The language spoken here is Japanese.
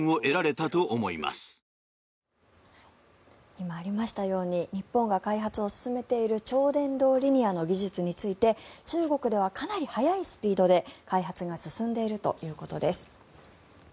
今ありましたように日本が開発を進めている超電導リニアの技術について中国ではかなり早いスピードで開発が進んでいるということです。